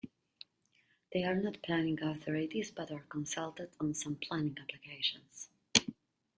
They are not planning authorities, but are consulted on some planning applications.